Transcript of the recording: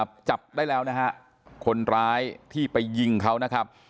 จับได้แล้วนะฮะคนร้ายที่ไปยิงเขานะครับ